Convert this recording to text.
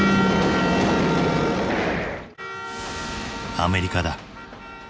アメリカだ。